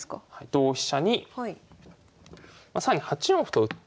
同飛車に更に８四歩と打って。